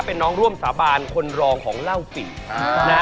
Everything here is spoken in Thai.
เป็นน้องร่วมสาบานคนรองของเล่าปิดนะ